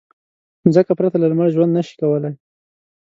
مځکه پرته له لمر ژوند نه شي کولی.